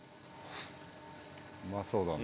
うまそうだな。